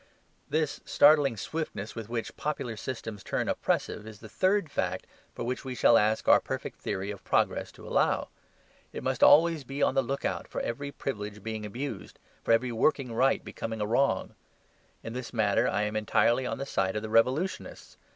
This startling swiftness with which popular systems turn oppressive is the third fact for which we shall ask our perfect theory of progress to allow. It must always be on the look out for every privilege being abused, for every working right becoming a wrong. In this matter I am entirely on the side of the revolutionists.